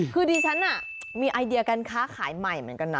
คือดิฉันมีไอเดียการค้าขายใหม่เหมือนกันนะ